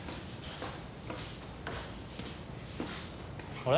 あれ？